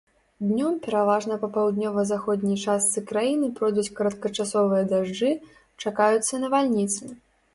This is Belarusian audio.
Днём пераважна па паўднёва-заходняй частцы краіны пройдуць кароткачасовыя дажджы, чакаюцца навальніцы.